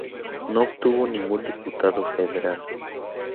No obtuvo ningún diputado federal.